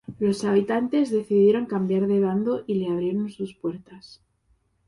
Los habitantes decidieron cambiar de bando y le abrieron sus puertas.